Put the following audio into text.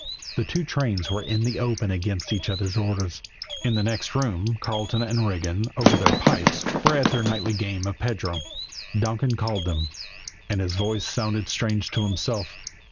The two trains were in the open against each other's orders. In the next room, Carleton and Regan, over their pipes, were at their nightly game of pedro. Donkin called them and his voice sounded strange to himself.